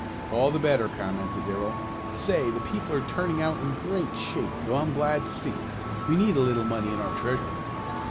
"All the better," commented Darrell. "Say the people are turning out in great shape, though. I'm glad to see it. We need a little money in our treasury."